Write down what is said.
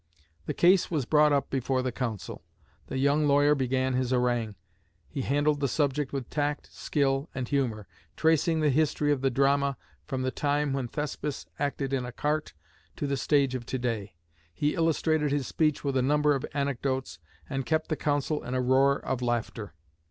The case was brought up before the council. The young lawyer began his harangue. He handled the subject with tact, skill, and humor, tracing the history of the drama from the time when Thespis acted in a cart, to the stage of to day. He illustrated his speech with a number of anecdotes, and kept the council in a roar of laughter.